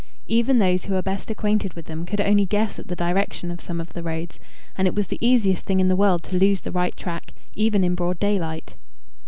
Even those who were best acquainted with them could only guess at the direction of some of the roads, and it was the easiest thing in the world to lose the right track, even in broad daylight.